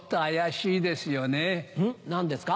何ですか？